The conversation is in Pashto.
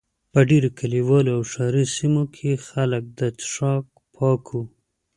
په ډېرو کلیوالو او ښاري سیمو کې خلک د څښاک پاکو.